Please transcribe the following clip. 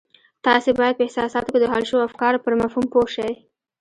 تاسې بايد په احساساتو کې د حل شويو افکارو پر مفهوم پوه شئ.